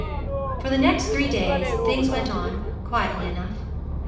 For the next three days things went on quietly enough.